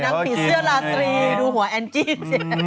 นางผิดเสื้อราตรีดูหัวแอนจิ้งเซีย